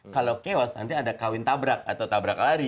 kalau chaos nanti ada kawin tabrak atau tabrak lari